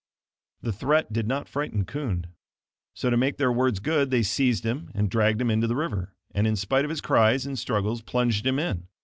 The threat did not frighten Kund, so to make their words good, they seized him and dragged him into the river, and in spite of his cries and struggles, plunged him in.